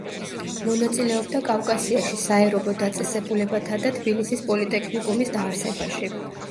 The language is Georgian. მონაწილეობდა კავკასიაში საერობო დაწესებულებათა და თბილისის პოლიტექნიკუმის დაარსებაში.